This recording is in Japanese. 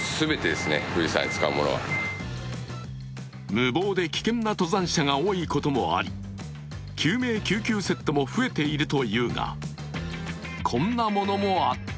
無謀で危険な登山者が多いこともあり、救命救急セットも増えているというがこんなものもあった。